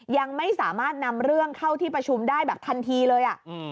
ยังไม่สามารถนำเรื่องเข้าที่ประชุมได้แบบทันทีเลย